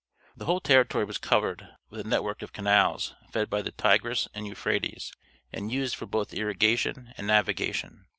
The whole territory was covered with a network of canals fed by the Tigris and Euphrates, and used for both irrigation and navigation.